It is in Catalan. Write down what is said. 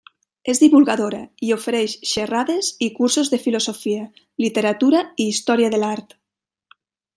És divulgadora i ofereix xerrades i cursos de filosofia, literatura i història de l'art.